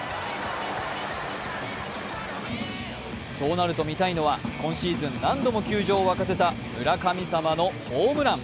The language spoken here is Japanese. そうなると見たいのは今シーズン何度も球場を沸かせた村神様のホームラン。